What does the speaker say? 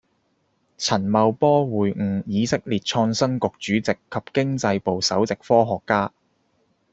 陳茂波會晤以色列創新局主席及經濟部首席科學家